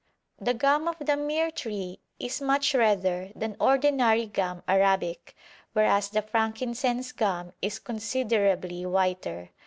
The gum of the myrrh tree is much redder than ordinary gum Arabic, whereas the frankincense gum is considerably whiter.